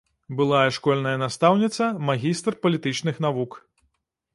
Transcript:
Былая школьная настаўніца, магістр палітычных навук.